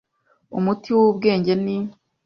umutima w ubwenge n